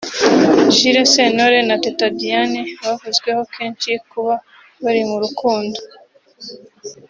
Jules Sentore na Teta Diane bavuzweho kenshi kuba bari mu rukundo